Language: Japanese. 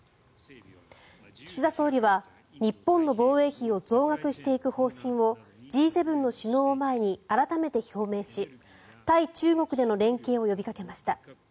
岸田総理は、日本の防衛費を増額していく方針をＧ７の首脳を前に改めて表明し対中国での連携を呼びかけました。